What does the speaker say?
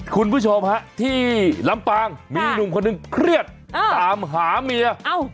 คุณผู้ชมฮะที่ลำปางมีหนุ่มคนหนึ่งเครียดตามหาเมีย